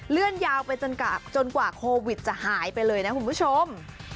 ยาวไปจนกว่าโควิดจะหายไปเลยนะคุณผู้ชม